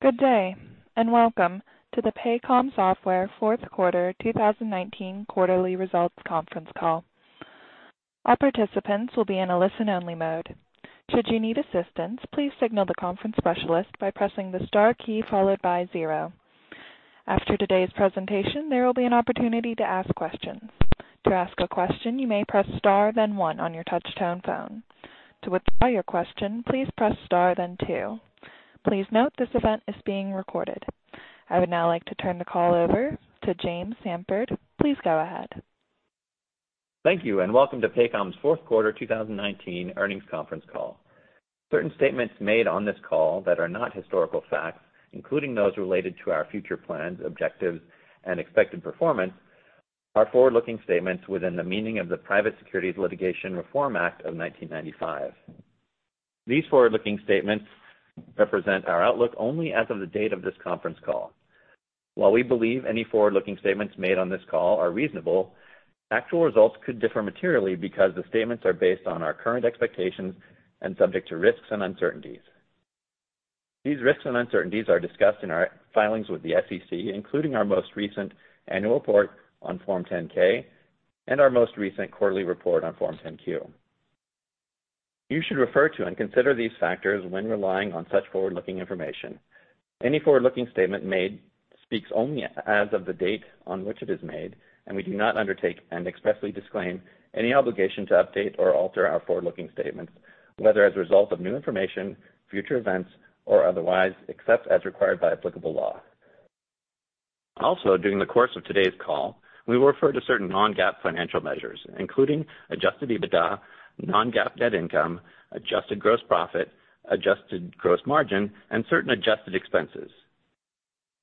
Good day, and welcome to the Paycom Software fourth quarter 2019 quarterly results conference call. All participants will be in a listen only mode. Should you need assistance, please signal the conference specialist by pressing the star key followed by zero. After today's presentation, there will be an opportunity to ask questions. To ask a question, you may press star then one on your touchtone phone. To withdraw your question, please press star then two. Please note this event is being recorded. I would now like to turn the call over to James Samford. Please go ahead. Thank you, and welcome to Paycom's fourth quarter 2019 earnings conference call. Certain statements made on this call that are not historical facts, including those related to our future plans, objectives, and expected performance, are forward-looking statements within the meaning of the Private Securities Litigation Reform Act of 1995. These forward-looking statements represent our outlook only as of the date of this conference call. While we believe any forward-looking statements made on this call are reasonable, actual results could differ materially because the statements are based on our current expectations and subject to risks and uncertainties. These risks and uncertainties are discussed in our filings with the SEC, including our most recent annual report on Form 10-K and our most recent quarterly report on Form 10-Q. You should refer to and consider these factors when relying on such forward-looking information. Any forward-looking statement made speaks only as of the date on which it is made, and we do not undertake and expressly disclaim any obligation to update or alter our forward-looking statements, whether as a result of new information, future events, or otherwise, except as required by applicable law. During the course of today's call, we will refer to certain non-GAAP financial measures, including adjusted EBITDA, non-GAAP net income, adjusted gross profit, adjusted gross margin, and certain adjusted expenses.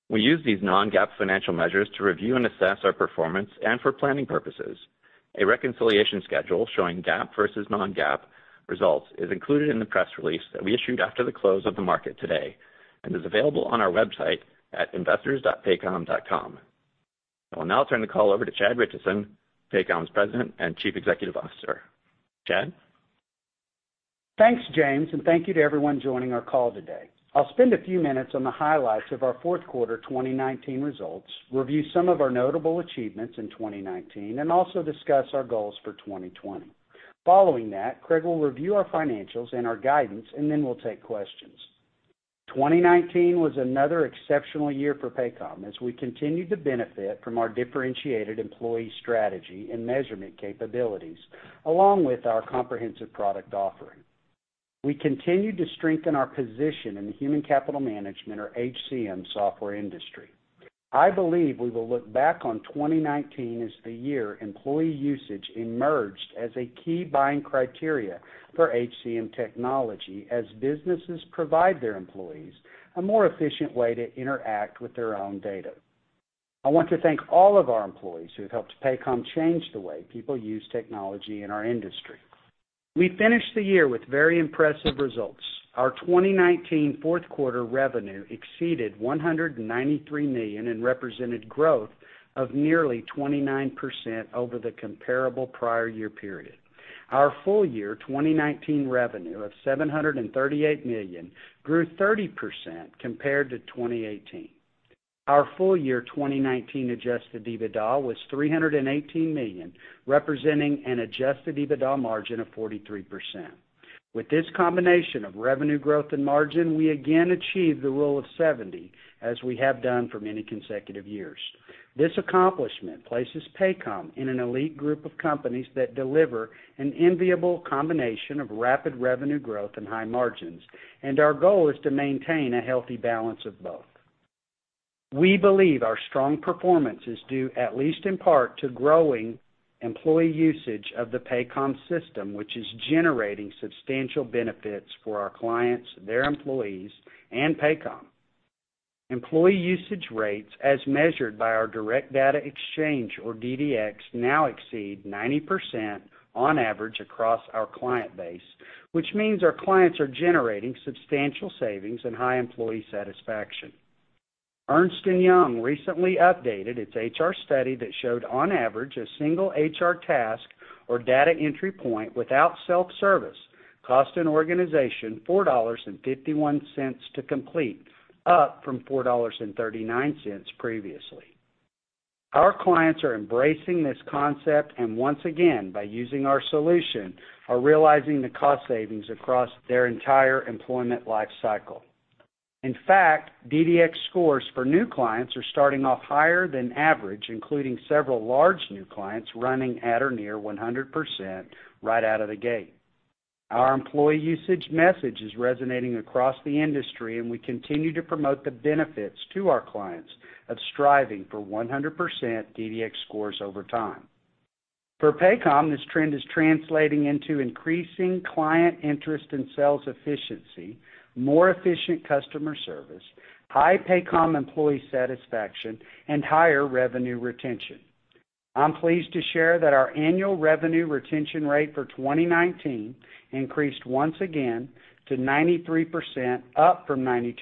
We use these non-GAAP financial measures to review and assess our performance and for planning purposes. A reconciliation schedule showing GAAP versus non-GAAP results is included in the press release that we issued after the close of the market today and is available on our website at investors.paycom.com. I will now turn the call over to Chad Richison, Paycom's President and Chief Executive Officer. Chad? Thanks, James, and thank you to everyone joining our call today. I'll spend a few minutes on the highlights of our fourth quarter 2019 results, review some of our notable achievements in 2019, and also discuss our goals for 2020. Following that, Craig will review our financials and our guidance, and then we'll take questions. 2019 was another exceptional year for Paycom as we continued to benefit from our differentiated employee strategy and measurement capabilities, along with our comprehensive product offering. We continued to strengthen our position in the human capital management, or HCM, software industry. I believe we will look back on 2019 as the year employee usage emerged as a key buying criteria for HCM technology as businesses provide their employees a more efficient way to interact with their own data. I want to thank all of our employees who have helped Paycom change the way people use technology in our industry. We finished the year with very impressive results. Our 2019 fourth quarter revenue exceeded $193 million and represented growth of nearly 29% over the comparable prior year period. Our full year 2019 revenue of $738 million grew 30% compared to 2018. Our full year 2019 adjusted EBITDA was $318 million, representing an adjusted EBITDA margin of 43%. With this combination of revenue growth and margin, we again achieved the rule of 70, as we have done for many consecutive years. This accomplishment places Paycom in an elite group of companies that deliver an enviable combination of rapid revenue growth and high margins, and our goal is to maintain a healthy balance of both. We believe our strong performance is due, at least in part, to growing employee usage of the Paycom system, which is generating substantial benefits for our clients, their employees, and Paycom. Employee usage rates as measured by our Direct Data Exchange, or DDX, now exceed 90% on average across our client base, which means our clients are generating substantial savings and high employee satisfaction. Ernst & Young recently updated its HR study that showed on average a single HR task or data entry point without self-service cost an organization $4.51 to complete, up from $4.39 previously. Our clients are embracing this concept and once again, by using our solution, are realizing the cost savings across their entire employment life cycle. In fact, DDX scores for new clients are starting off higher than average, including several large new clients running at or near 100% right out of the gate. Our employee usage message is resonating across the industry, and we continue to promote the benefits to our clients of striving for 100% DDX scores over time. For Paycom, this trend is translating into increasing client interest in sales efficiency, more efficient customer service, high Paycom employee satisfaction, and higher revenue retention. I'm pleased to share that our annual revenue retention rate for 2019 increased once again to 93%, up from 92%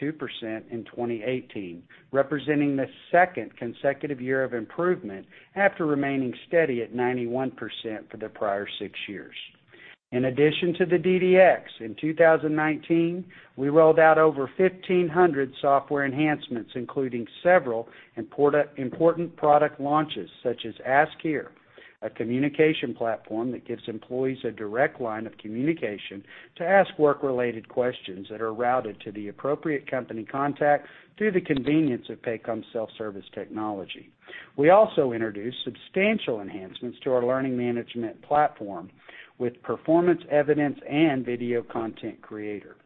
in 2018, representing the second consecutive year of improvement after remaining steady at 91% for the prior six years. In addition to the DDX, in 2019, we rolled out over 1,500 software enhancements, including several important product launches, such as Ask Here, a communication platform that gives employees a direct line of communication to ask work-related questions that are routed to the appropriate company contact through the convenience of Paycom's self-service technology. We also introduced substantial enhancements to our learning management platform with Performance Evidence and Video Content Creator.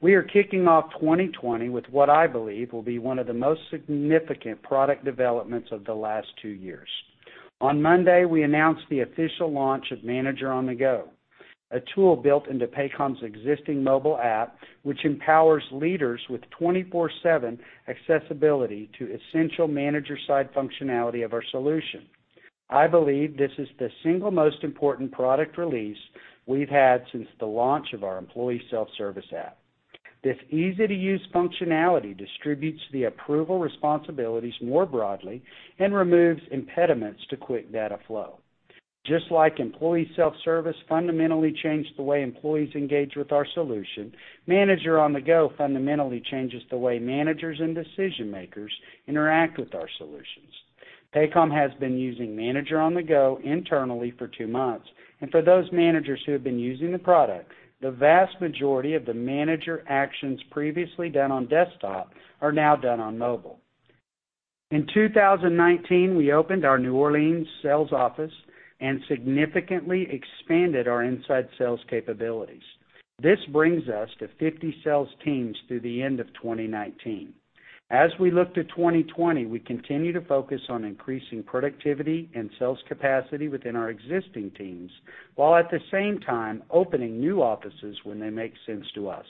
We are kicking off 2020 with what I believe will be one of the most significant product developments of the last two years. On Monday, we announced the official launch of Manager on-the-Go, a tool built into Paycom's existing mobile app, which empowers leaders with 24/7 accessibility to essential manager side functionality of our solution. I believe this is the single most important product release we've had since the launch of our employee self-service app. This easy-to-use functionality distributes the approval responsibilities more broadly and removes impediments to quick data flow. Just like employee self-service fundamentally changed the way employees engage with our solution, Manager on-the-Go fundamentally changes the way managers and decision-makers interact with our solutions. Paycom has been using Manager on-the-Go internally for two months, and for those managers who have been using the product, the vast majority of the manager actions previously done on desktop are now done on mobile. In 2019, we opened our New Orleans sales office and significantly expanded our inside sales capabilities. This brings us to 50 sales teams through the end of 2019. As we look to 2020, we continue to focus on increasing productivity and sales capacity within our existing teams, while at the same time opening new offices when they make sense to us.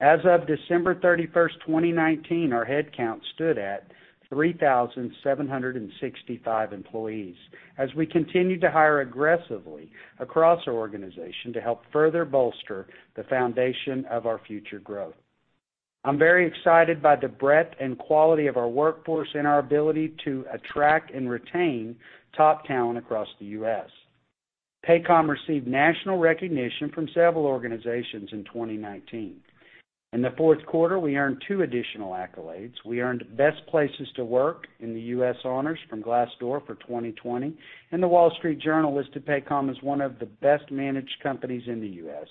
As of December 31st, 2019, our head count stood at 3,765 employees as we continued to hire aggressively across our organization to help further bolster the foundation of our future growth. I'm very excited by the breadth and quality of our workforce and our ability to attract and retain top talent across the U.S. Paycom received national recognition from several organizations in 2019. In the fourth quarter, we earned two additional accolades. We earned Best Places to Work in the U.S. honors from Glassdoor for 2020, and The Wall Street Journal listed Paycom as one of the best-managed companies in the U.S.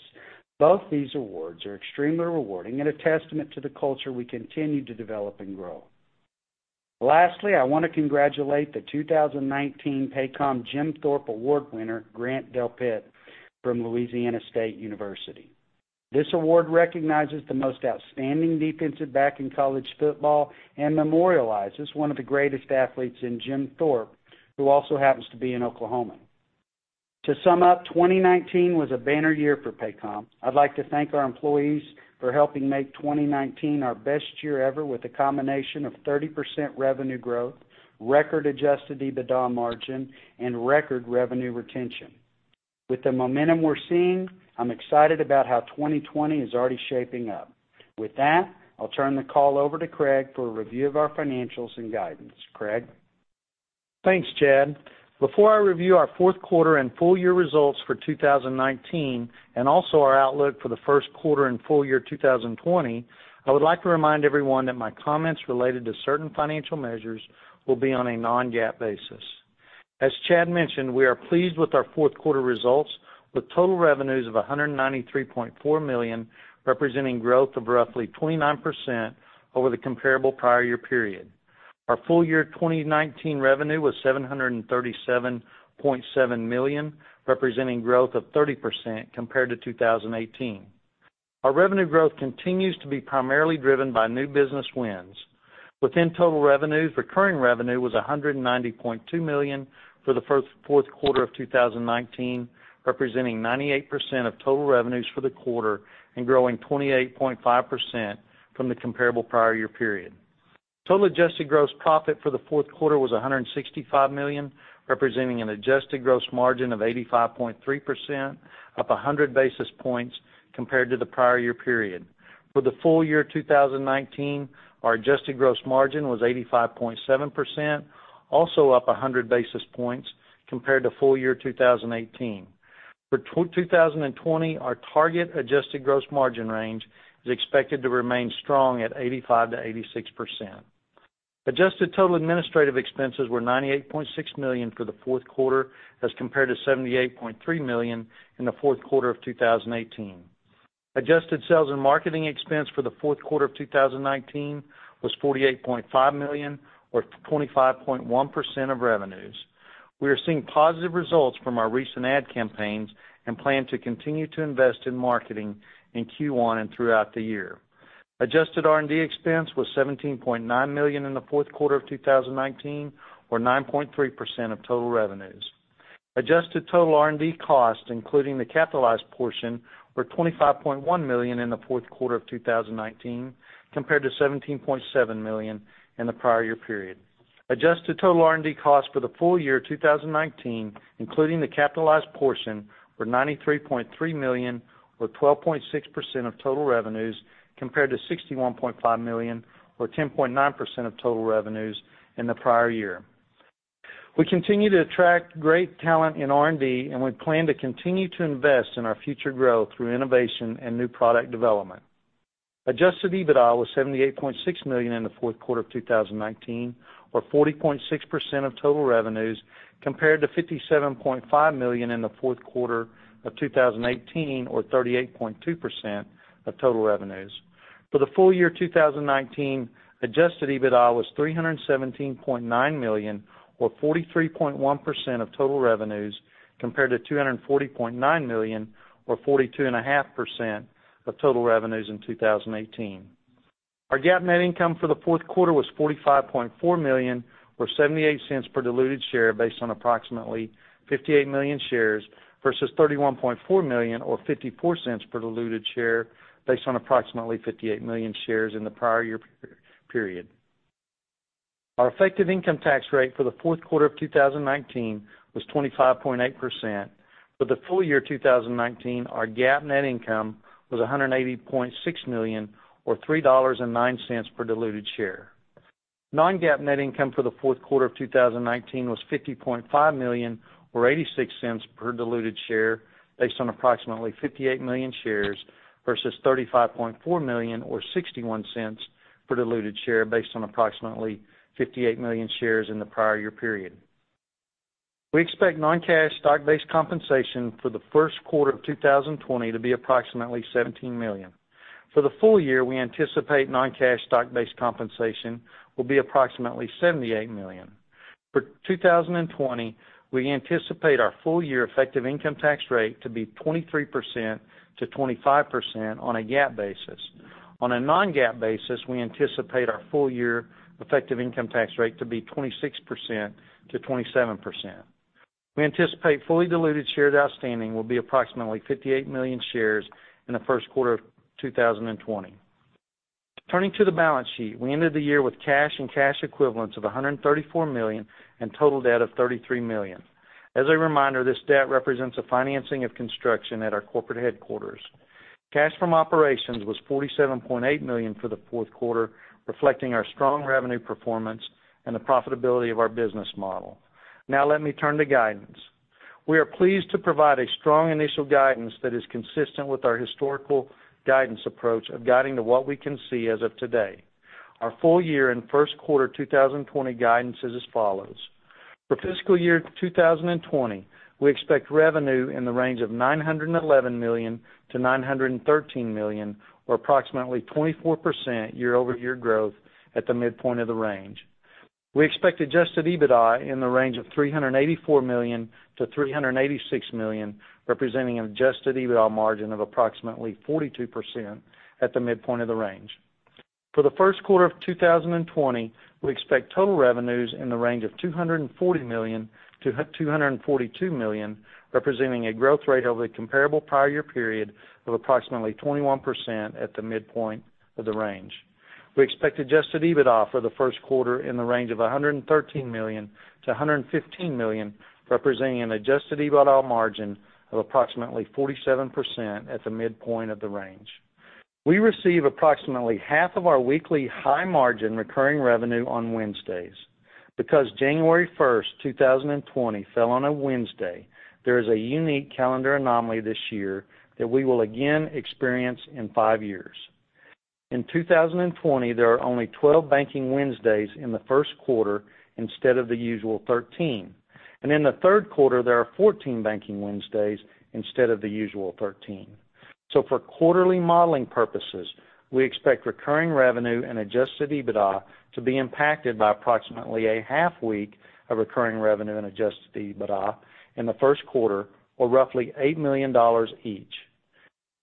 Both these awards are extremely rewarding and a testament to the culture we continue to develop and grow. Lastly, I want to congratulate the 2019 Paycom Jim Thorpe Award winner, Grant Delpit from Louisiana State University. This award recognizes the most outstanding defensive back in college football and memorializes one of the greatest athletes in Jim Thorpe, who also happens to be an Oklahoman. To sum up, 2019 was a banner year for Paycom. I'd like to thank our employees for helping make 2019 our best year ever with a combination of 30% revenue growth, record adjusted EBITDA margin, and record revenue retention. With the momentum we're seeing, I'm excited about how 2020 is already shaping up. With that, I'll turn the call over to Craig for a review of our financials and guidance. Craig? Thanks, Chad. Before I review our fourth quarter and full year results for 2019, and also our outlook for the first quarter and full year 2020, I would like to remind everyone that my comments related to certain financial measures will be on a non-GAAP basis. As Chad mentioned, we are pleased with our fourth quarter results with total revenues of $193.4 million, representing growth of roughly 29% over the comparable prior year period. Our full year 2019 revenue was $737.7 million, representing growth of 30% compared to 2018. Our revenue growth continues to be primarily driven by new business wins. Within total revenues, recurring revenue was $190.2 million for the fourth quarter of 2019, representing 98% of total revenues for the quarter and growing 28.5% from the comparable prior year period. Total adjusted gross profit for the fourth quarter was $165 million, representing an adjusted gross margin of 85.3%, up 100 basis points compared to the prior year period. For the full year 2019, our adjusted gross margin was 85.7%, also up 100 basis points compared to full year 2018. For 2020, our target adjusted gross margin range is expected to remain strong at 85%-86%. Adjusted total administrative expenses were $98.6 million for the fourth quarter as compared to $78.3 million in the fourth quarter of 2018. Adjusted sales and marketing expense for the fourth quarter of 2019 was $48.5 million or 25.1% of revenues. We are seeing positive results from our recent ad campaigns and plan to continue to invest in marketing in Q1 and throughout the year. Adjusted R&D expense was $17.9 million in the fourth quarter of 2019, or 9.3% of total revenues. Adjusted total R&D costs, including the capitalized portion, were $25.1 million in the fourth quarter of 2019, compared to $17.7 million in the prior year period. Adjusted total R&D costs for the full year 2019, including the capitalized portion, were $93.3 million or 12.6% of total revenues, compared to $61.5 million or 10.9% of total revenues in the prior year. We plan to continue to attract great talent in R&D, and we plan to continue to invest in our future growth through innovation and new product development. Adjusted EBITDA was $78.6 million in the fourth quarter of 2019, or 40.6% of total revenues, compared to $57.5 million in the fourth quarter of 2018, or 38.2% of total revenues. For the full year 2019, adjusted EBITDA was $317.9 million, or 43.1% of total revenues, compared to $240.9 million or 42.5% of total revenues in 2018. Our GAAP net income for the fourth quarter was $45.4 million, or $0.78 per diluted share based on approximately 58 million shares, versus $31.4 million or $0.54 per diluted share based on approximately 58 million shares in the prior year period. Our effective income tax rate for the fourth quarter of 2019 was 25.8%. For the full year 2019, our GAAP net income was $180.6 million or $3.09 per diluted share. Non-GAAP net income for the fourth quarter of 2019 was $50.5 million or $0.86 per diluted share based on approximately 58 million shares versus $35.4 million or $0.61 per diluted share based on approximately 58 million shares in the prior year period. We expect non-cash stock-based compensation for the first quarter of 2020 to be approximately $17 million. For the full year, we anticipate non-cash stock-based compensation will be approximately $78 million. For 2020, we anticipate our full-year effective income tax rate to be 23%-25% on a GAAP basis. On a non-GAAP basis, we anticipate our full-year effective income tax rate to be 26%-27%. We anticipate fully diluted shares outstanding will be approximately 58 million shares in the first quarter of 2020. Turning to the balance sheet. We ended the year with cash and cash equivalents of $134 million and total debt of $33 million. As a reminder, this debt represents a financing of construction at our corporate headquarters. Cash from operations was $47.8 million for the fourth quarter, reflecting our strong revenue performance and the profitability of our business model. Now let me turn to guidance. We are pleased to provide a strong initial guidance that is consistent with our historical guidance approach of guiding to what we can see as of today. Our full year and first quarter 2020 guidance is as follows. For fiscal year 2020, we expect revenue in the range of $911 million-$913 million, or approximately 24% year-over-year growth at the midpoint of the range. We expect adjusted EBITDA in the range of $384 million-$386 million, representing an adjusted EBITDA margin of approximately 42% at the midpoint of the range. For the first quarter of 2020, we expect total revenues in the range of $240 million-$242 million, representing a growth rate over the comparable prior year period of approximately 21% at the midpoint of the range. We expect adjusted EBITDA for the first quarter in the range of $113 million-$115 million, representing an adjusted EBITDA margin of approximately 47% at the midpoint of the range. We receive approximately half of our weekly high margin recurring revenue on Wednesdays. Because January 1st, 2020 fell on a Wednesday, there is a unique calendar anomaly this year that we will again experience in five years. In 2020, there are only 12 banking Wednesdays in the first quarter instead of the usual 13. In the third quarter, there are 14 banking Wednesdays instead of the usual 13. For quarterly modeling purposes, we expect recurring revenue and adjusted EBITDA to be impacted by approximately a half week of recurring revenue and adjusted EBITDA in the first quarter, or roughly $8 million each.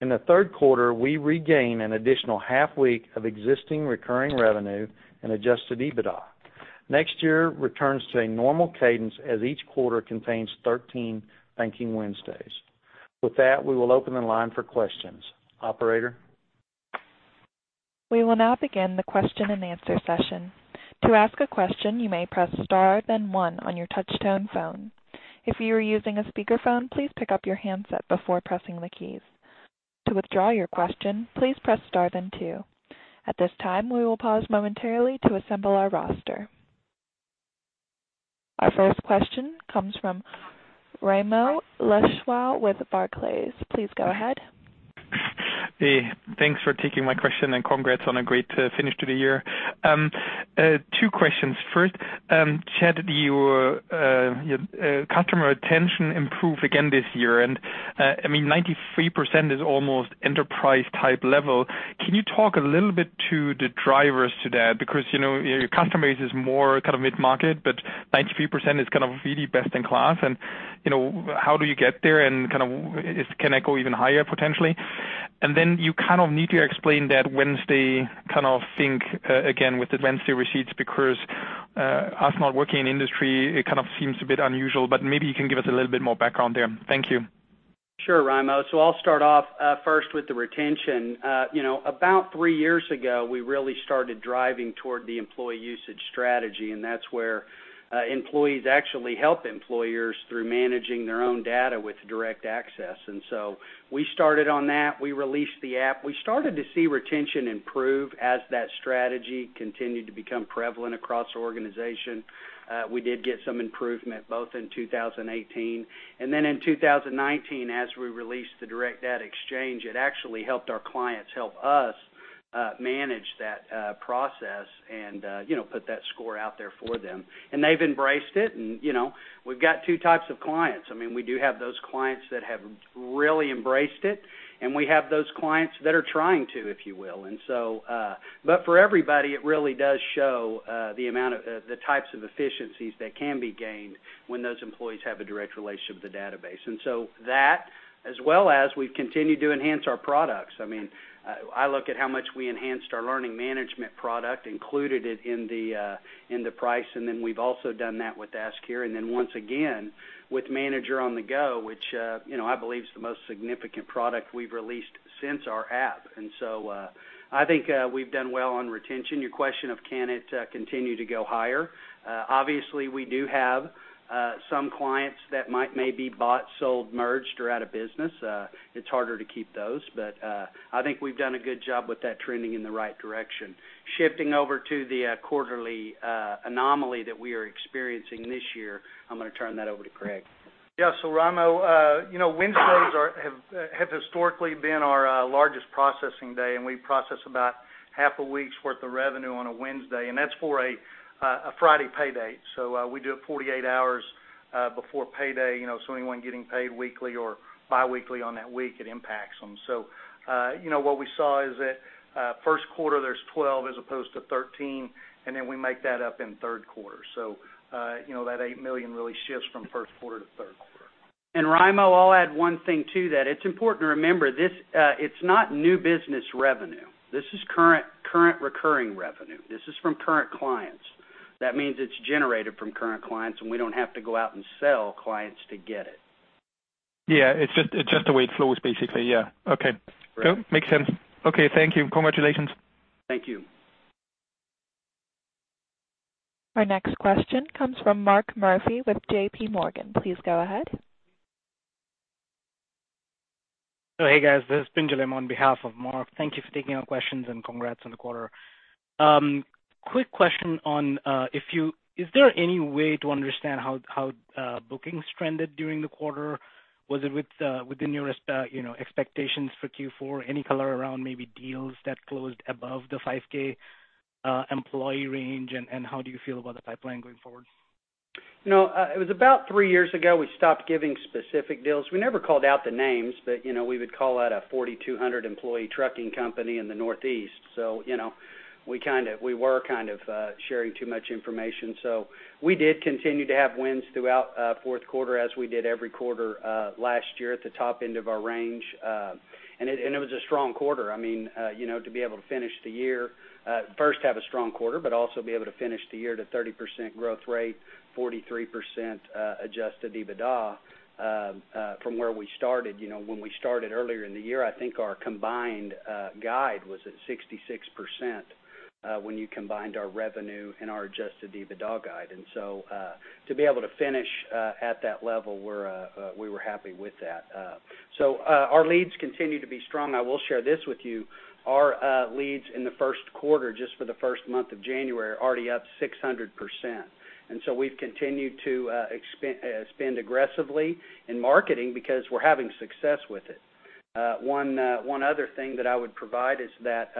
In the third quarter, we regain an additional half week of existing recurring revenue and adjusted EBITDA. Next year returns to a normal cadence as each quarter contains 13 banking Wednesdays. With that, we will open the line for questions. Operator? We will now begin the question and answer session. To ask a question, you may press star then one on your touch tone phone. If you are using a speakerphone, please pick up your handset before pressing the keys. To withdraw your question, please press star then two. At this time, we will pause momentarily to assemble our roster. Our first question comes from Raimo Lenschow with Barclays. Please go ahead. Hey, thanks for taking my question. Congrats on a great finish to the year. Two questions. First, Chad, your customer retention improved again this year. 93% is almost enterprise-type level. Can you talk a little bit to the drivers to that? Because your customer base is more mid-market, but 93% is really best in class. How do you get there? Can it go even higher, potentially? Then you kind of need to explain that Wednesday kind of thing again with the Wednesday receipts because, us not working in industry, it kind of seems a bit unusual, but maybe you can give us a little bit more background there. Thank you. Sure, Raimo. I'll start off first with the retention. About three years ago, we really started driving toward the employee usage strategy, and that's where employees actually help employers through managing their own data with direct access. We started on that. We released the app. We started to see retention improve as that strategy continued to become prevalent across the organization. We did get some improvement both in 2018, in 2019 as we released the Direct Data Exchange, it actually helped our clients help us Manage that process, put that score out there for them. They've embraced it, and we've got two types of clients. We do have those clients that have really embraced it, and we have those clients that are trying to, if you will. For everybody, it really does show the types of efficiencies that can be gained when those employees have a direct relationship with the database. That, as well as we've continued to enhance our products. I look at how much we enhanced our learning management product, included it in the price, and then we've also done that with Ask Here. Once again, with Manager on-the-Go, which I believe is the most significant product we've released since our app. I think we've done well on retention. Your question of can it continue to go higher? Obviously, we do have some clients that may be bought, sold, merged, or out of business. It's harder to keep those. I think we've done a good job with that trending in the right direction. Shifting over to the quarterly anomaly that we are experiencing this year, I'm going to turn that over to Craig. Yeah. Raimo, Wednesdays have historically been our largest processing day, and we process about half a week's worth of revenue on a Wednesday, and that's for a Friday pay date. We do it 48 hours before pay day, so anyone getting paid weekly or biweekly on that week, it impacts them. What we saw is that, first quarter, there's 12 as opposed to 13, and then we make that up in third quarter. That $8 million really shifts from first quarter to third quarter. Raimo, I'll add one thing to that. It's important to remember, it's not new business revenue. This is current recurring revenue. This is from current clients. That means it's generated from current clients, and we don't have to go out and sell clients to get it. It's just the way it flows, basically. Yeah. Okay. Right. Cool. Makes sense. Okay. Thank you. Congratulations. Thank you. Our next question comes from Mark Murphy with JPMorgan. Please go ahead. Hey, guys. This is Pinjalim on behalf of Mark. Thank you for taking our questions, and congrats on the quarter. Quick question, is there any way to understand how bookings trended during the quarter? Was it within your expectations for Q4? Any color around maybe deals that closed above the 5,000 employee range, and how do you feel about the pipeline going forward? It was about three years ago, we stopped giving specific deals. We never called out the names, but we would call out a 4,200-employee trucking company in the Northeast. We were kind of sharing too much information. We did continue to have wins throughout fourth quarter as we did every quarter last year at the top end of our range. It was a strong quarter. To be able to finish the year, first have a strong quarter, but also be able to finish the year at a 30% growth rate, 43% adjusted EBITDA, from where we started. When we started earlier in the year, I think our combined guide was at 66% when you combined our revenue and our adjusted EBITDA guide. To be able to finish at that level, we were happy with that. Our leads continue to be strong. I will share this with you. Our leads in the first quarter, just for the first month of January, are already up 600%. We've continued to spend aggressively in marketing because we're having success with it. One other thing that I would provide is that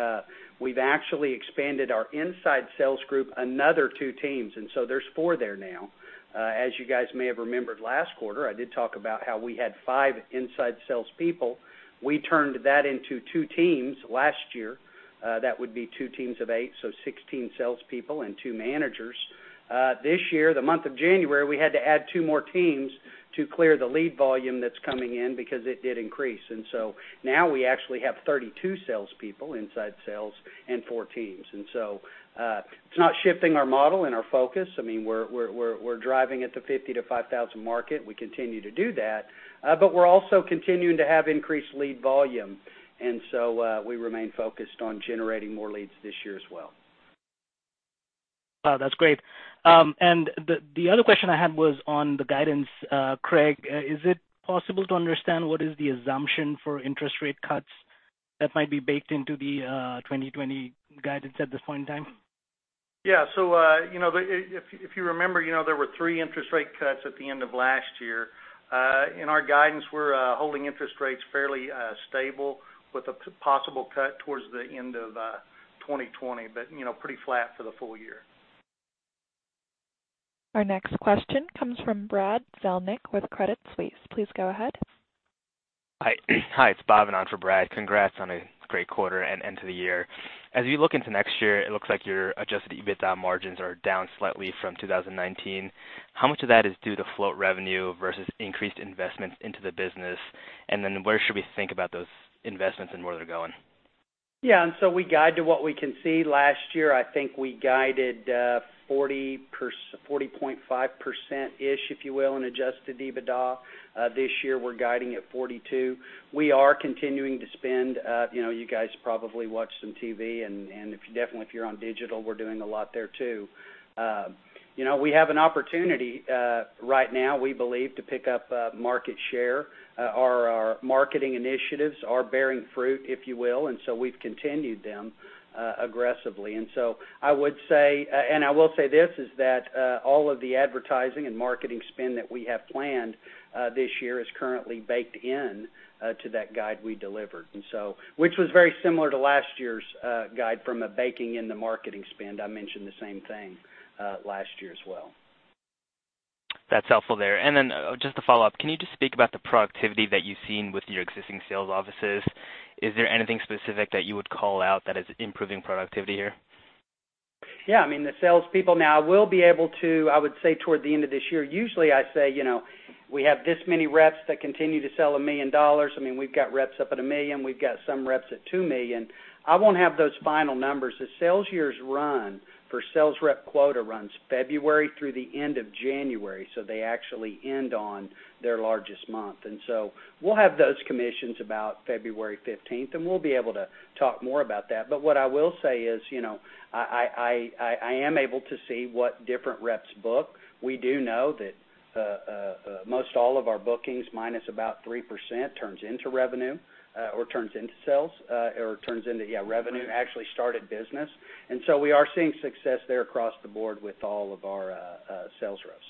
we've actually expanded our inside sales group, another two teams, and so there's four there now. As you guys may have remembered last quarter, I did talk about how we had five inside salespeople. We turned that into two teams last year. That would be two teams of eight, so 16 salespeople and two managers. This year, the month of January, we had to add two more teams to clear the lead volume that's coming in because it did increase. Now we actually have 32 salespeople, inside sales, and four teams. It's not shifting our model and our focus. We're driving at the 50-5,000 market. We continue to do that. We're also continuing to have increased lead volume, and so, we remain focused on generating more leads this year as well. Wow, that's great. The other question I had was on the guidance. Craig, is it possible to understand what is the assumption for interest rate cuts that might be baked into the 2020 guidance at this point in time? Yeah. If you remember, there were three interest rate cuts at the end of last year. In our guidance, we're holding interest rates fairly stable with a possible cut towards the end of 2020, but pretty flat for the full year. Our next question comes from Brad Zelnick with Credit Suisse. Please go ahead. Hi, it's Bhavin on for Brad. Congrats on a great quarter and end to the year. As you look into next year, it looks like your adjusted EBITDA margins are down slightly from 2019. How much of that is due to float revenue versus increased investments into the business? Where should we think about those investments and where they're going? Yeah. We guide to what we can see. Last year, I think we guided 40.5% -ish, if you will, in adjusted EBITDA. This year, we're guiding at 42%. We are continuing to spend. You guys probably watch some TV, and definitely if you're on digital, we're doing a lot there, too. We have an opportunity right now, we believe, to pick up market share. Our marketing initiatives are bearing fruit, if you will, and so we've continued them aggressively. I will say this, is that all of the advertising and marketing spend that we have planned this year is currently baked into that guide we delivered, which was very similar to last year's guide from a baking in the marketing spend, I mentioned the same thing last year as well. That's helpful there. Just a follow-up, can you just speak about the productivity that you've seen with your existing sales offices? Is there anything specific that you would call out that is improving productivity here? Yeah. I mean, the salespeople now will be able to, I would say, toward the end of this year. Usually, I say we have this many reps that continue to sell $1 million. We've got reps up at $1 million. We've got some reps at $2 million. I won't have those final numbers. The sales year's run for sales rep quota runs February through the end of January, so they actually end on their largest month. We'll have those commissions about February 15th, and we'll be able to talk more about that. What I will say is, I am able to see what different reps book. We do know that most all of our bookings, minus about 3%, turns into revenue or turns into sales or turns into, yeah, revenue, actually started business. We are seeing success there across the board with all of our sales reps.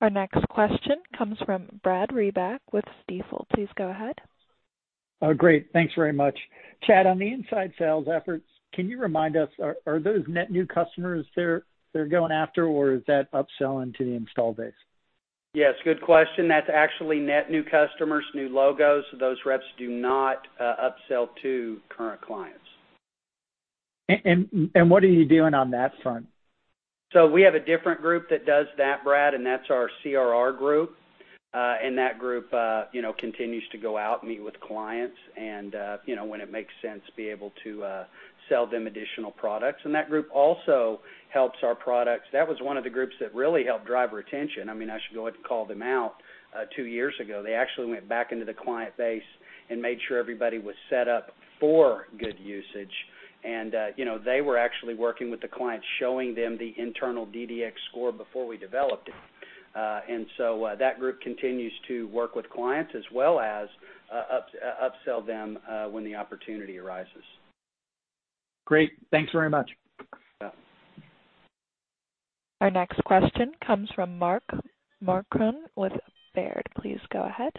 Our next question comes from Brad Reback with Stifel. Please go ahead. Oh, great. Thanks very much. Chad, on the inside sales efforts, can you remind us, are those net new customers they're going after, or is that upselling to the install base? Yes, good question. That's actually net new customers, new logos. Those reps do not upsell to current clients. What are you doing on that front? We have a different group that does that, Brad, and that's our CRR group. That group continues to go out and meet with clients and, when it makes sense, be able to sell them additional products. That group also helps our products. That was one of the groups that really helped drive retention. I should go ahead and call them out. Two years ago, they actually went back into the client base and made sure everybody was set up for good usage. They were actually working with the clients, showing them the internal DDX score before we developed it. That group continues to work with clients as well as upsell them, when the opportunity arises. Great. Thanks very much. Yeah. Our next question comes from Mark Marcon with Baird. Please go ahead.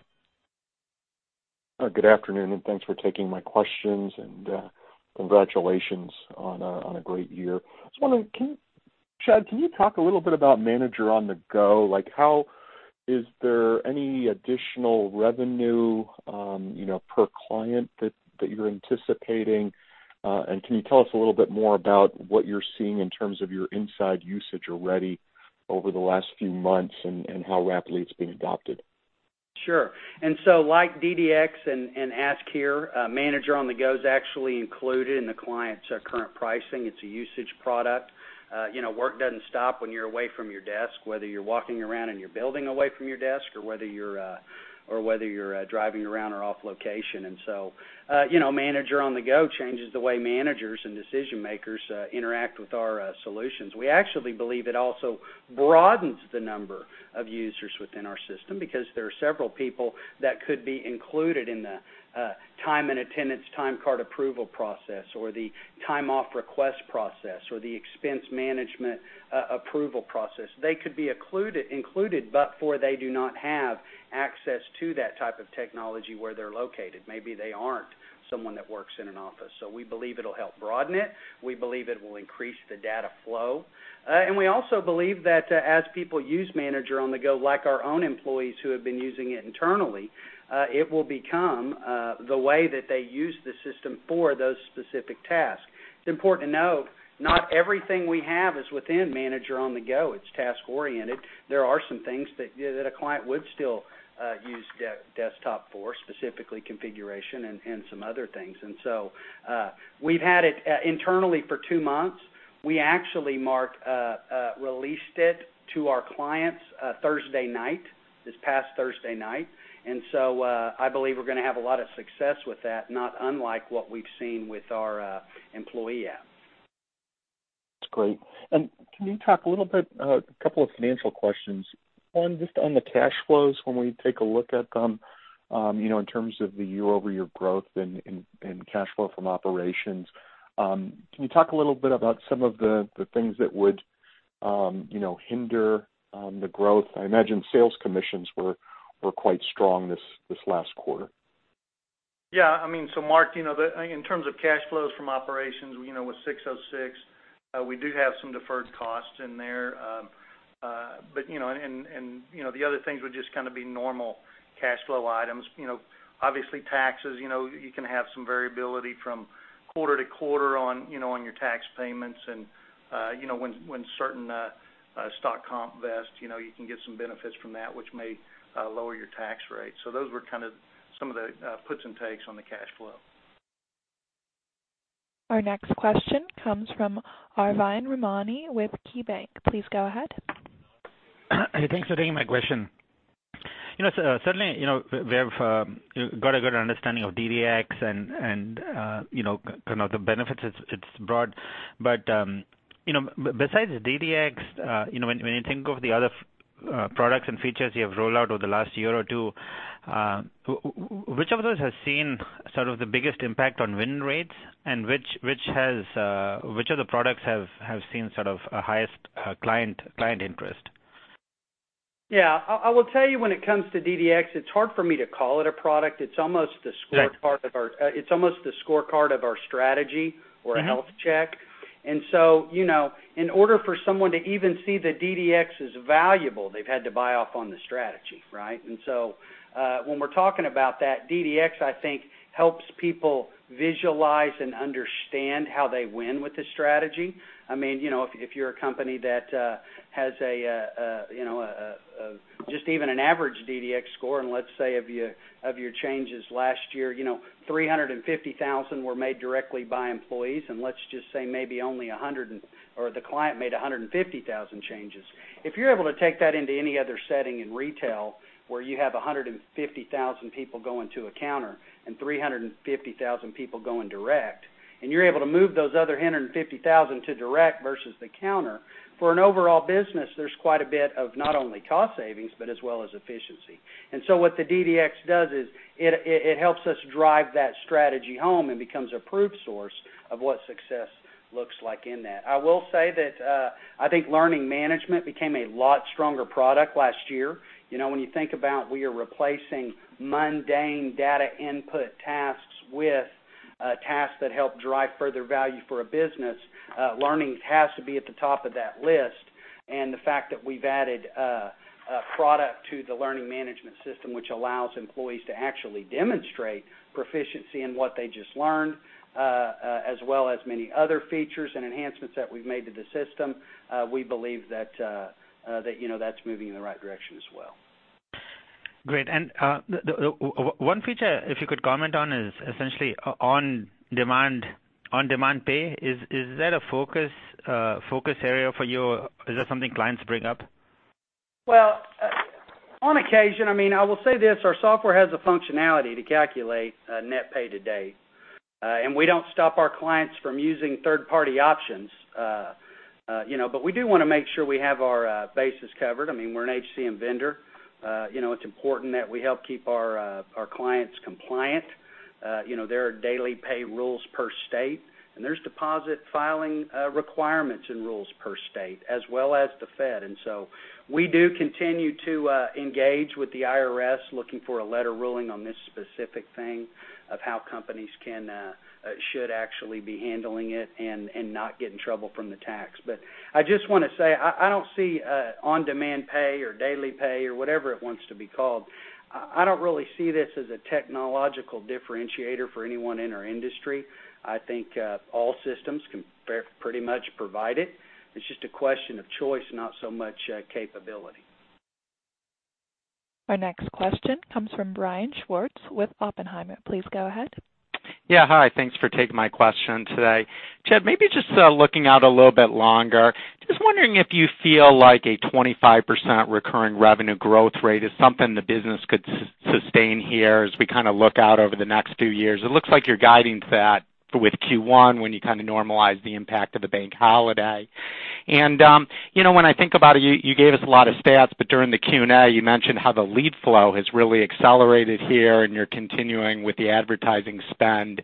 Good afternoon, thanks for taking my questions, and congratulations on a great year. I was wondering, Chad, can you talk a little bit about Manager on-the-Go? Is there any additional revenue per client that you're anticipating? Can you tell us a little bit more about what you're seeing in terms of your inside usage already over the last few months and how rapidly it's been adopted? Sure. Like DDX and Ask Here, Manager on-the-Go is actually included in the client's current pricing. It's a usage product. Work doesn't stop when you're away from your desk, whether you're walking around in your building away from your desk or whether you're driving around or off location. Manager on-the-Go changes the way managers and decision-makers interact with our solutions. We actually believe it also broadens the number of users within our system because there are several people that could be included in the time and attendance timecard approval process or the time-off request process or the expense management approval process. They could be included, but for they do not have access to that type of technology where they're located. Maybe they aren't someone that works in an office. We believe it'll help broaden it. We believe it will increase the data flow. We also believe that as people use Manager on-the-Go, like our own employees who have been using it internally, it will become the way that they use the system for those specific tasks. It's important to note, not everything we have is within Manager on-the-Go. It's task-oriented. There are some things that a client would still use desktop for, specifically configuration and some other things. We've had it internally for two months. We actually, Mark, released it to our clients Thursday night, this past Thursday night. I believe we're going to have a lot of success with that, not unlike what we've seen with our employee app. That's great. Can you talk a little bit, a couple of financial questions. One, just on the cash flows, when we take a look at them, in terms of the year-over-year growth and cash flow from operations. Can you talk a little bit about some of the things that would hinder the growth? I imagine sales commissions were quite strong this last quarter. Yeah. Mark, in terms of cash flows from operations with 606, we do have some deferred costs in there. The other things would just be normal cash flow items. Obviously, taxes, you can have some variability from quarter-to-quarter on your tax payments and when certain stock comp vests, you can get some benefits from that, which may lower your tax rate. Those were some of the puts and takes on the cash flow. Our next question comes from Arvind Ramnani with KeyBanc. Please go ahead. Hey, thanks for taking my question. Certainly, we have got a good understanding of DDX and the benefits it's brought. Besides DDX, when you think of the other products and features you have rolled out over the last year or two, which of those has seen the biggest impact on win rates, and which of the products have seen a highest client interest? Yeah. I will tell you when it comes to DDX, it's hard for me to call it a product. It's almost the scorecard of our strategy or a health check. In order for someone to even see that DDX is valuable, they've had to buy off on the strategy, right? When we're talking about that, DDX, I think, helps people visualize and understand how they win with the strategy. If you're a company that has just even an average DDX score, and let's say of your changes last year, 350,000 were made directly by employees, and let's just say maybe only 100, or the client made 150,000 changes. If you're able to take that into any other setting in retail where you have 150,000 people going to a counter and 350,000 people going direct, and you're able to move those other 150,000 to direct versus the counter, for an overall business, there's quite a bit of not only cost savings, but as well as efficiency. What the DDX does is it helps us drive that strategy home and becomes a proof source of what success looks like in that. I will say that, I think Paycom Learning became a lot stronger product last year. When you think about we are replacing mundane data input tasks with tasks that help drive further value for a business, learning has to be at the top of that list. The fact that we've added a product to the Paycom Learning system, which allows employees to actually demonstrate proficiency in what they just learned, as well as many other features and enhancements that we've made to the system, we believe that's moving in the right direction as well. Great. One feature, if you could comment on, is essentially on-demand pay. Is that a focus area for you, or is that something clients bring up? Well, on occasion. I will say this: our software has a functionality to calculate net pay to date. We don't stop our clients from using third-party options, but we do want to make sure we have our bases covered. We're an HCM vendor. It's important that we help keep our clients compliant. There are daily pay rules per state, and there's deposit filing requirements and rules per state, as well as the Fed. We do continue to engage with the IRS, looking for a letter ruling on this specific thing of how companies should actually be handling it and not get in trouble from the tax. I just want to say, I don't see on-demand pay or daily pay or whatever it wants to be called, I don't really see this as a technological differentiator for anyone in our industry. I think all systems can pretty much provide it. It's just a question of choice, not so much capability. Our next question comes from Brian Schwartz with Oppenheimer. Please go ahead. Hi. Thanks for taking my question today. Chad, maybe just looking out a little bit longer, just wondering if you feel like a 25% recurring revenue growth rate is something the business could sustain here as we look out over the next few years. It looks like you're guiding that with Q1, when you normalize the impact of the bank holiday. When I think about it, you gave us a lot of stats, but during the Q&A, you mentioned how the lead flow has really accelerated here, and you're continuing with the advertising spend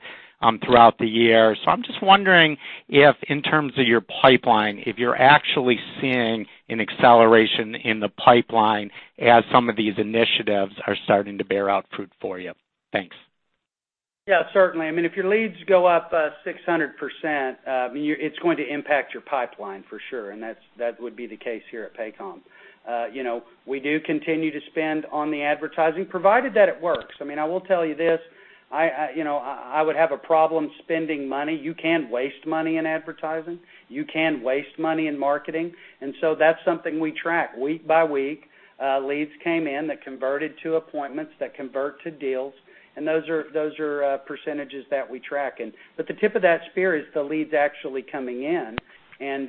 throughout the year. I'm just wondering if, in terms of your pipeline, if you're actually seeing an acceleration in the pipeline as some of these initiatives are starting to bear out fruit for you. Thanks. Yeah, certainly. If your leads go up 600%, it's going to impact your pipeline for sure, and that would be the case here at Paycom. We do continue to spend on the advertising provided that it works. I will tell you this. I would have a problem spending money. You can waste money in advertising. You can waste money in marketing. That's something we track week by week. Leads came in that converted to appointments, that convert to deals, and those are percentages that we track. The tip of that spear is the leads actually coming in, and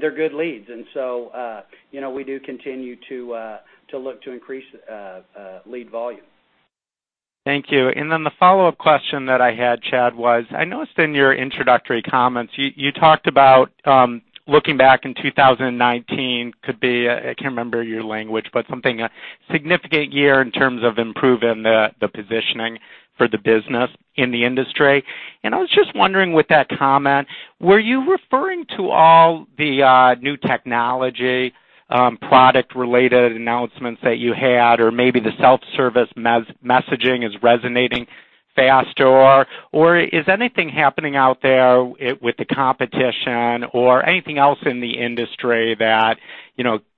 they're good leads. We do continue to look to increase lead volume. Thank you. Then the follow-up question that I had, Chad, was I noticed in your introductory comments you talked about looking back in 2019 could be I can't remember your language, but something a significant year in terms of improving the positioning for the business in the industry. I was just wondering with that comment, were you referring to all the new technology, product-related announcements that you had, or maybe the self-service messaging is resonating faster, or is anything happening out there with the competition or anything else in the industry that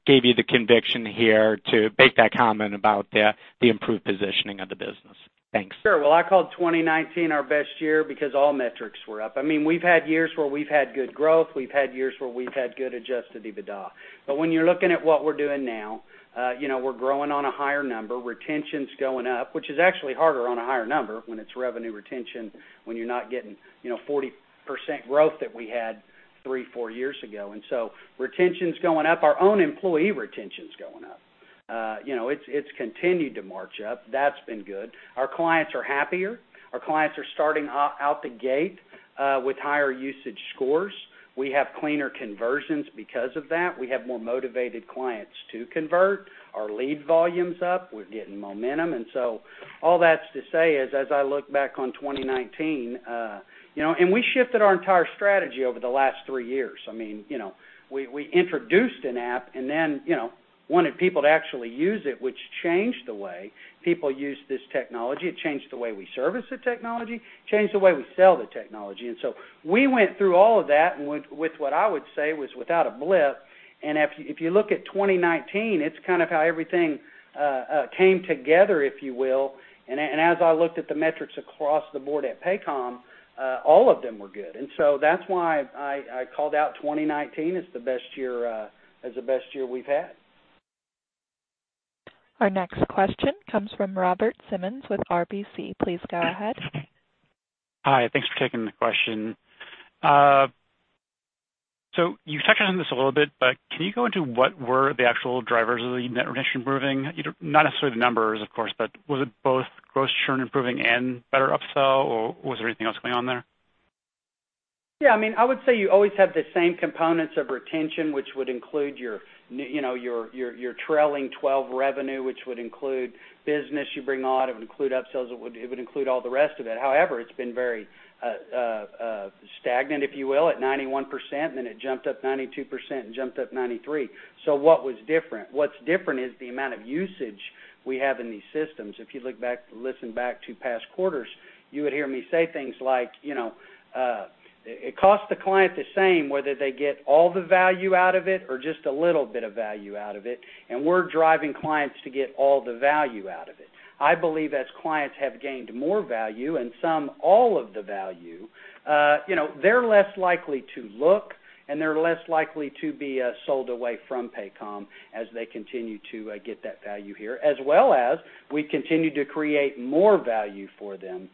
gave you the conviction here to make that comment about the improved positioning of the business? Thanks. Sure. Well, I called 2019 our best year because all metrics were up. We've had years where we've had good growth, we've had years where we've had good adjusted EBITDA. When you're looking at what we're doing now, we're growing on a higher number. Retention's going up, which is actually harder on a higher number when it's revenue retention, when you're not getting 40% growth that we had three, four years ago. Retention's going up. Our own employee retention's going up. It's continued to march up. That's been good. Our clients are happier. Our clients are starting out the gate with higher usage scores. We have cleaner conversions because of that. We have more motivated clients to convert. Our lead volume's up. We're getting momentum. All that's to say is, as I look back on 2019, and we shifted our entire strategy over the last three years. We introduced an app and then wanted people to actually use it, which changed the way people used this technology. It changed the way we service the technology, changed the way we sell the technology. We went through all of that with what I would say was without a blip. If you look at 2019, it's kind of how everything came together, if you will. As I looked at the metrics across the board at Paycom, all of them were good. That's why I called out 2019 as the best year we've had. Our next question comes from Robert Simmons with RBC. Please go ahead. Hi, thanks for taking the question. You touched on this a little bit, but can you go into what were the actual drivers of the net retention improving? Not necessarily the numbers, of course, but was it both gross churn improving and better upsell, or was there anything else going on there? Yeah, I would say you always have the same components of retention, which would include your trailing 12 revenue, which would include business you bring on. It would include upsells, it would include all the rest of it. It's been very stagnant, if you will, at 91%, and then it jumped up 92% and jumped up 93%. What was different? What's different is the amount of usage we have in these systems. If you listen back to past quarters, you would hear me say things like, it costs the client the same whether they get all the value out of it or just a little bit of value out of it, and we're driving clients to get all the value out of it. I believe as clients have gained more value, and some, all of the value, they're less likely to look, and they're less likely to be sold away from Paycom as they continue to get that value here, as well as we continue to create more value for them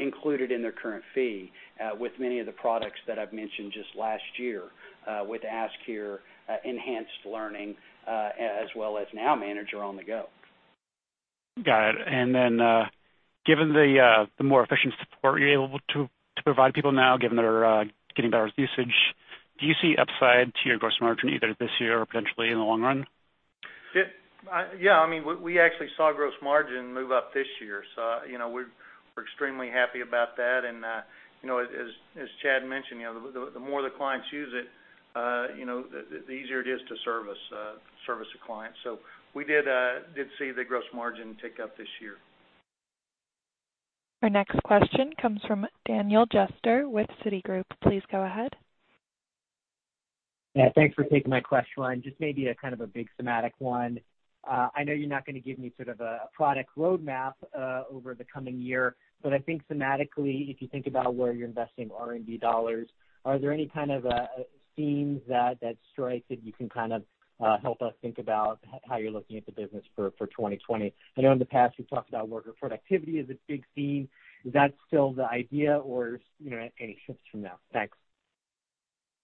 included in their current fee with many of the products that I've mentioned just last year with Ask Here, enhanced learning, as well as now, Manager on the-Go. Got it. Given the more efficient support you're able to provide people now, given they're getting better usage, do you see upside to your gross margin either this year or potentially in the long run? Yeah. We actually saw gross margin move up this year. We're extremely happy about that. As Chad mentioned, the more the clients use it, the easier it is to service a client. We did see the gross margin tick up this year. Our next question comes from Daniel Jester with Citigroup. Please go ahead. Yeah, thanks for taking my question. Just maybe a kind of a big thematic one. I know you're not going to give me sort of a product roadmap over the coming year. I think thematically, if you think about where you're investing R&D dollars, are there any kind of themes that strike that you can kind of help us think about how you're looking at the business for 2020? I know in the past, you've talked about worker productivity as a big theme. Is that still the idea or any shifts from that? Thanks.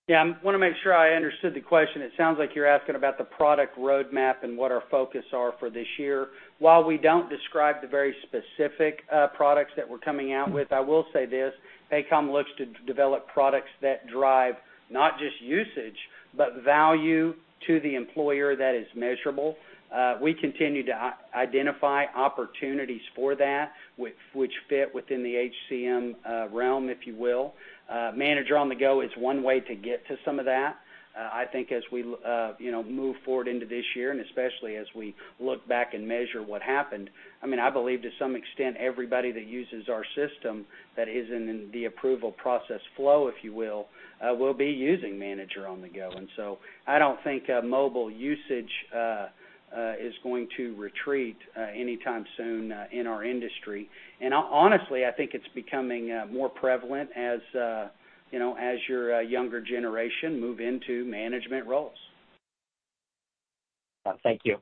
Yeah, I want to make sure I understood the question. It sounds like you're asking about the product roadmap and what our focus are for this year. While we don't describe the very specific products that we're coming out with, I will say this: Paycom looks to develop products that drive not just usage, but value to the employer that is measurable. We continue to identify opportunities for that, which fit within the HCM realm, if you will. Manager on-the-Go is one way to get to some of that. I think as we move forward into this year, and especially as we look back and measure what happened, I believe to some extent, everybody that uses our system that is in the approval process flow, if you will be using Manager on-the-Go. I don't think mobile usage is going to retreat anytime soon in our industry. Honestly, I think it's becoming more prevalent as your younger generation move into management roles. Thank you.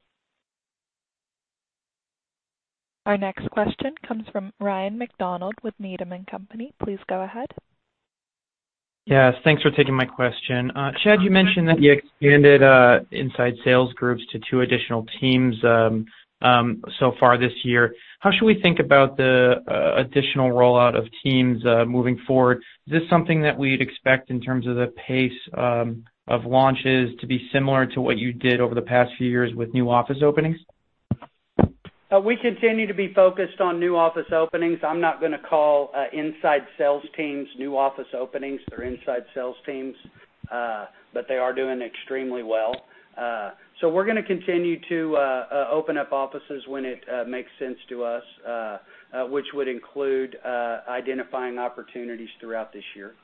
Our next question comes from Ryan MacDonald with Needham & Company. Please go ahead. Yes, thanks for taking my question. Chad, you mentioned that you expanded inside sales groups to two additional teams so far this year. How should we think about the additional rollout of teams moving forward? Is this something that we'd expect in terms of the pace of launches to be similar to what you did over the past few years with new office openings? We continue to be focused on new office openings. I'm not going to call inside sales teams new office openings. They're inside sales teams, they are doing extremely well. We're going to continue to open up offices when it makes sense to us, which would include identifying opportunities throughout this year.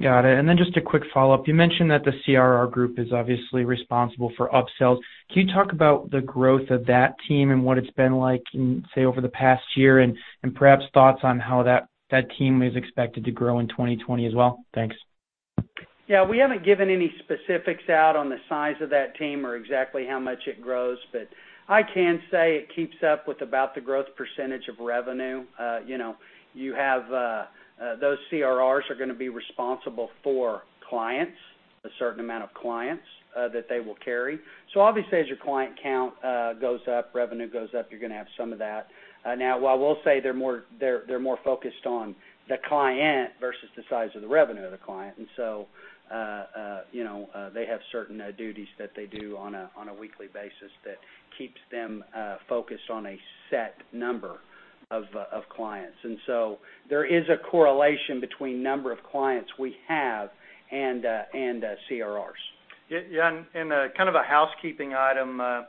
Got it. Just a quick follow-up. You mentioned that the CRR group is obviously responsible for upsells. Can you talk about the growth of that team and what it's been like in, say, over the past year? Perhaps thoughts on how that team is expected to grow in 2020 as well. Thanks. Yeah, we haven't given any specifics out on the size of that team or exactly how much it grows, but I can say it keeps up with about the growth percentage of revenue. Those CRRs are going to be responsible for clients, a certain amount of clients that they will carry. Obviously, as your client count goes up, revenue goes up, you're going to have some of that. Now, while we'll say they're more focused on the client versus the size of the revenue of the client, they have certain duties that they do on a weekly basis that keeps them focused on a set number of clients. There is a correlation between number of clients we have and CRRs. Yeah. Kind of a housekeeping item I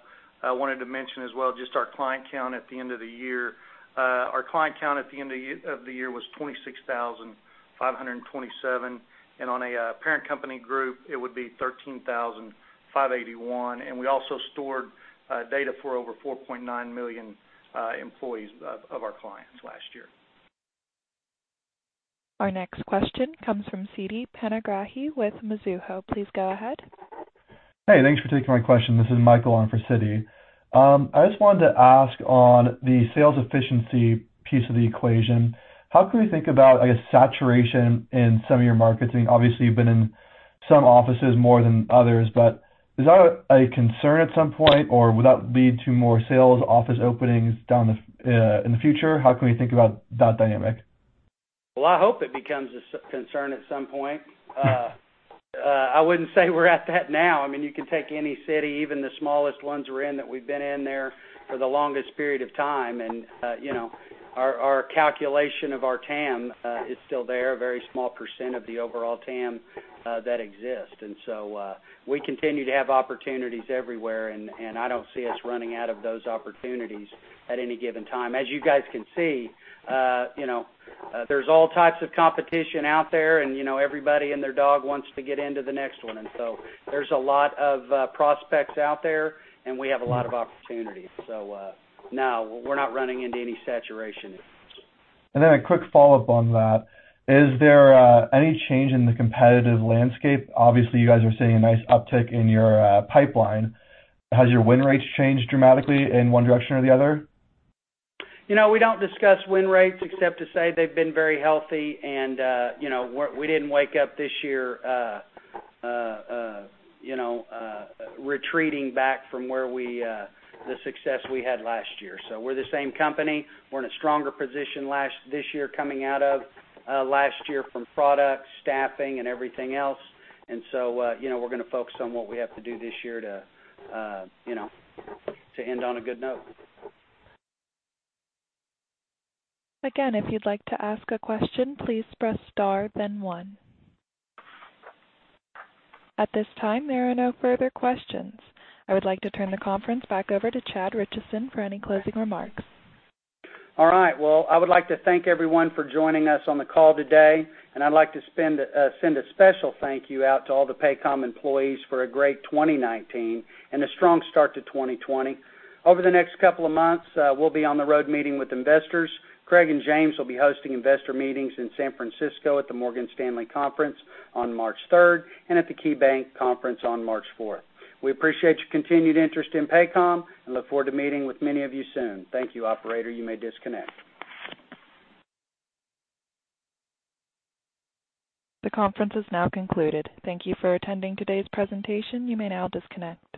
wanted to mention as well, just our client count at the end of the year. Our client count at the end of the year was 26,527, and on a parent company group, it would be 13,581. We also stored data for over 4.9 million employees of our clients last year. Our next question comes from Siti Panigrahi with Mizuho. Please go ahead. Hey, thanks for taking my question. This is Michael on for Siti. I just wanted to ask on the sales efficiency piece of the equation, how can we think about, I guess, saturation in some of your markets? Obviously, you've been in some offices more than others. Is that a concern at some point, or would that lead to more sales office openings in the future? How can we think about that dynamic? Well, I hope it becomes a concern at some point. I wouldn't say we're at that now. You can take any city, even the smallest ones we're in, that we've been in there for the longest period of time, and our calculation of our TAM is still there, a very small percent of the overall TAM that exists. We continue to have opportunities everywhere, and I don't see us running out of those opportunities at any given time. As you guys can see, there's all types of competition out there, and everybody and their dog wants to get into the next one. There's a lot of prospects out there, and we have a lot of opportunities. No, we're not running into any saturation. A quick follow-up on that, is there any change in the competitive landscape? Obviously, you guys are seeing a nice uptick in your pipeline. Has your win rates changed dramatically in one direction or the other? We don't discuss win rates except to say they've been very healthy, and we didn't wake up this year retreating back from the success we had last year. We're the same company. We're in a stronger position this year coming out of last year from product, staffing, and everything else. We're going to focus on what we have to do this year to end on a good note. Again, if you'd like to ask a question, please press star, then one. At this time, there are no further questions. I would like to turn the conference back over to Chad Richison for any closing remarks. All right. Well, I would like to thank everyone for joining us on the call today, and I'd like to send a special thank you out to all the Paycom employees for a great 2019 and a strong start to 2020. Over the next couple of months, we'll be on the road meeting with investors. Craig and James will be hosting investor meetings in San Francisco at the Morgan Stanley conference on March 3rd and at the KeyBanc conference on March 4th. We appreciate your continued interest in Paycom and look forward to meeting with many of you soon. Thank you, operator. You may disconnect. The conference is now concluded. Thank you for attending today's presentation. You may now disconnect.